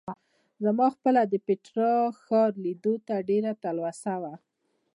زما خپله د پېټرا ښار لیدلو ته ډېره تلوسه وه.